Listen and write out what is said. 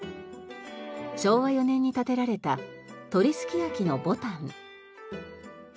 昭和４年に建てられた鳥すきやきのぼたん。